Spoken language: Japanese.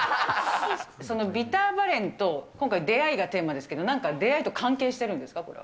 そのビターバレンと今回、出会いがテーマですけど、なんか出会いと関係してるんですか？